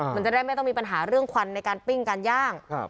มันจะได้ไม่ต้องมีปัญหาเรื่องควันในการปิ้งการย่าง